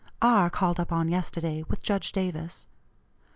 R. called up on yesterday, with Judge Davis.